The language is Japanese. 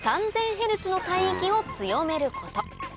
ヘルツの帯域を強めること